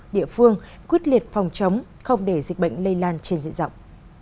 địa phương quyết liệt phòng chống không để dịch bệnh lây lan trên dị dọng